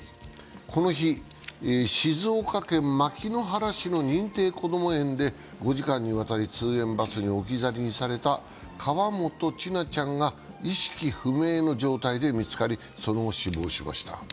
この日、静岡県牧之原市の認定こども園で５時間にわたり通園バスに置き去りにされた河本千奈ちゃんが意識不明の状態で見つかり、その後、死亡しました。